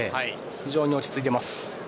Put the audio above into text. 非常に落ち着いています。